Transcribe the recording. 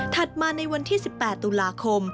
มาในวันที่๑๘ตุลาคม